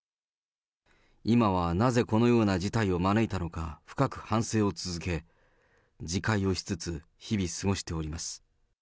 今はなぜこのような事態を招いたのか深く反省を続け、自戒をしつつ、日々過ごしております。